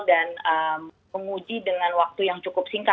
dan menguji dengan waktu yang cukup singkat